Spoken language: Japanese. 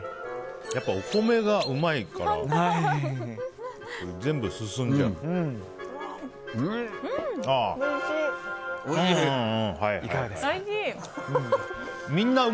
やっぱお米がうまいから全部進んじゃう。